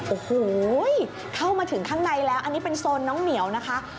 โอ้โหเข้ามาถึงข้างในแล้วอันนี้เป็นโซนน้องเหมียวนะคะ